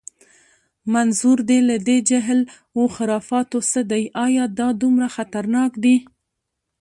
منظور دې له دې جهل و خرافاتو څه دی؟ ایا دا دومره خطرناک دي؟